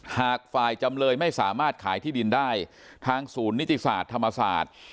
หากฝ่ายจำเลยไม่สามารถขายที่ดินได้ทางศูนย์นิติศาสตร์ธรรมศาสตร์